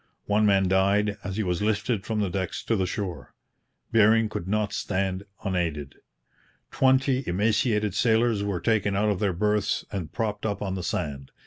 One man died as he was lifted from the decks to the shore. Bering could not stand unaided. Twenty emaciated sailors were taken out of their berths and propped up on the sand.